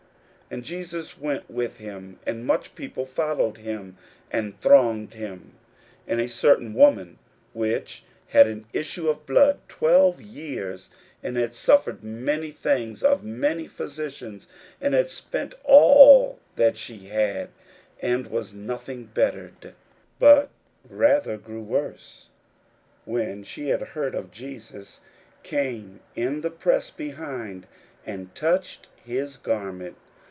41:005:024 And Jesus went with him; and much people followed him, and thronged him. 41:005:025 And a certain woman, which had an issue of blood twelve years, 41:005:026 And had suffered many things of many physicians, and had spent all that she had, and was nothing bettered, but rather grew worse, 41:005:027 When she had heard of Jesus, came in the press behind, and touched his garment.